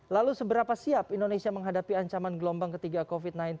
lalu seberapa siap indonesia menghadapi ancaman gelombang ketiga covid sembilan belas